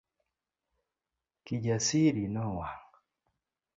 Kijasiri nowang'.